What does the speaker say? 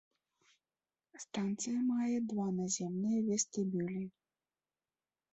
Станцыя мае два наземныя вестыбюлі.